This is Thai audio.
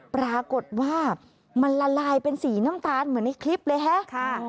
ปรากฏว่ามันละลายเป็นสีน้ำตาลเหมือนในคลิปเลยฮะค่ะ